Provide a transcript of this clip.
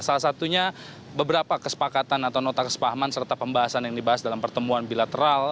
salah satunya beberapa kesepakatan atau nota kesepahaman serta pembahasan yang dibahas dalam pertemuan bilateral